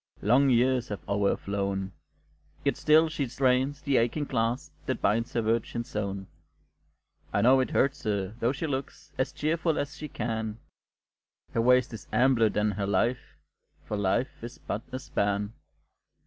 Long years have o'er her flown; Yet still she strains the aching clasp That binds her virgin zone; I know it hurts her though she looks As cheerful as she can; Her waist is ampler than her life, For life is but a span.